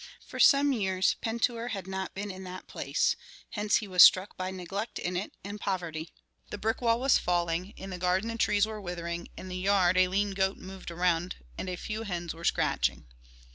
For some years Pentuer had not been in that place; hence he was struck by neglect in it, and poverty. The brick wall was falling, in the garden the trees were withering, in the yard a lean goat moved around and a few hens were scratching.